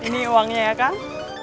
ini uangnya ya kang